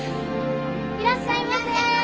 いらっしゃいませ。